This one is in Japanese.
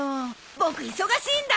ボク忙しいんだ！